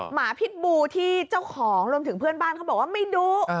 หมาพิษบูที่เจ้าของรวมถึงเพื่อนบ้านเขาบอกว่าไม่รู้